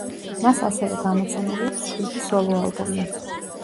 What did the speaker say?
მას ასევე გამოცემული აქვს შვიდი სოლო ალბომი.